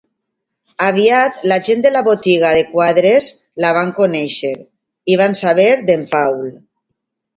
Aviat la gent de la botiga de quadres la van conèixer i van saber d'en Paul.